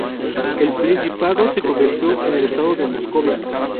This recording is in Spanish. El principado se convirtió en el estado de Moscovia.